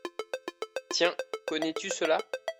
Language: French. Tiens, connais-tu cela ?